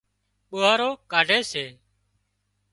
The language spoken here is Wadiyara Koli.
ٻوهارو ڪاڍي سي